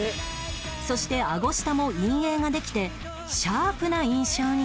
そしてあご下も陰影ができてシャープな印象になった